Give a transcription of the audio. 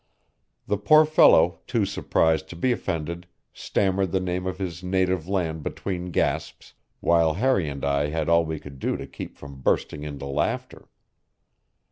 The poor fellow, too surprised to be offended, stammered the name of his native land between gasps, while Harry and I had all we could do to keep from bursting into laughter.